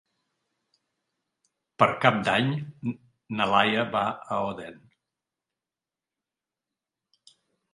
Per Cap d'Any na Laia va a Odèn.